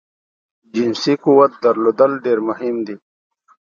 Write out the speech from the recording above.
جنسی قوت درلودل ډیر مهم دی